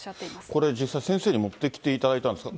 これ、実際、先生に持ってきていただいたんですが。